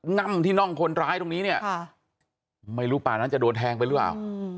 ง่ำที่น่องคนร้ายตรงนี้เนี่ยไม่รู้ป่านั้นจะโดนแทงไปหรือเปล่า